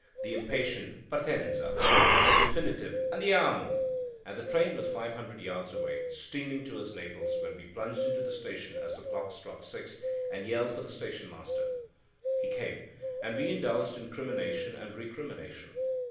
the impatient Partenza! and the definitive Andiamo! But the train was five hundred yards away, steaming towards Naples, when we plunged into the station as the clock struck six, and yelled for the station master. He came, and we indulged in crimination and recrimination.